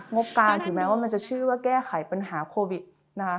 งบกลางถึงแม้ว่ามันจะชื่อว่าแก้ไขปัญหาโควิดนะคะ